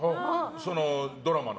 そのドラマの。